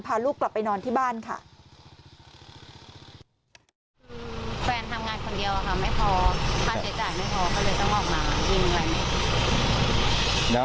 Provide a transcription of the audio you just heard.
พาลูกกลับไปนอนที่บ้านค่ะ